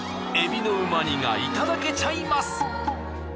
海老のうま煮がいただけちゃいます！